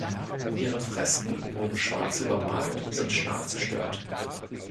Ihre Fresken wurden schwarz übermalt und sind stark zerstört.